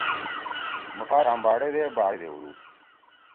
مُوٹھا چھام باڑے دے باڑے دیؤدُود۔